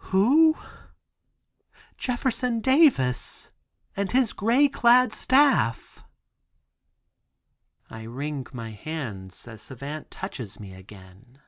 Ah, who? Jefferson Davis and his gray clad staff." I wring my hands as Savant touches me again.